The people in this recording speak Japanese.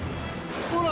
ほら！